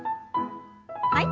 はい。